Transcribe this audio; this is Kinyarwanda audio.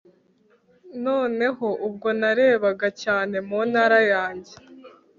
noneho, ubwo narebaga cyane mu ntara yanjye